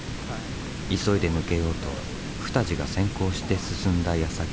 急いで抜けようとプタジが先行して進んだやさき。